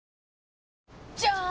じゃーん！